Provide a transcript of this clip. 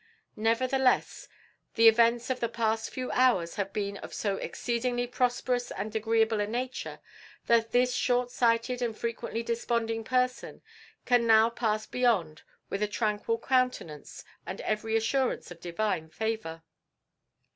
Nevertheless, the events of the past few hours have been of so exceedingly prosperous and agreeable a nature that this short sighted and frequently desponding person can now pass beyond with a tranquil countenance and every assurance of divine favour."